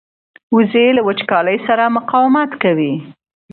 وزې له وچکالۍ سره مقاومت کوي